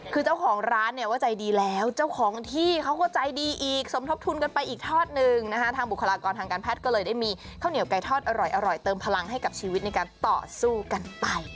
คือเจ้าของร้านเนี่ยว่าใจดีแล้วเจ้าของที่เขาก็ใจดีอีกสมทบทุนกันไปอีกทอดหนึ่งนะคะทางบุคลากรทางการแพทย์ก็เลยได้มีข้าวเหนียวไก่ทอดอร่อยเติมพลังให้กับชีวิตในการต่อสู้กันไป